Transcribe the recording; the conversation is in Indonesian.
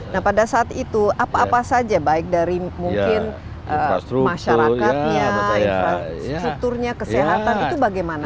nah pada saat itu apa apa saja baik dari mungkin masyarakatnya infrastrukturnya kesehatan itu bagaimana